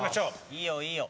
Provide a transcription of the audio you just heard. いいよいいよ。